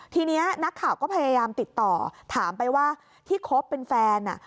ทีนี้นักข่าวก็พยายามติดต่อถามไปว่าที่คบเป็นแฟน